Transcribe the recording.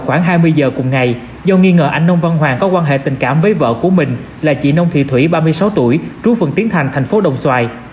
khoảng hai mươi giờ cùng ngày do nghi ngờ anh nông văn hoàng có quan hệ tình cảm với vợ của mình là chị nông thị thủy ba mươi sáu tuổi trú phường tiến thành thành phố đồng xoài